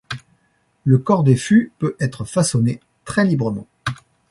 Le corps des fûts peut être façonné très librement.